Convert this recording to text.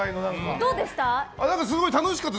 どうでした？